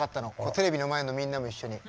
テレビの前のみんなも一緒に。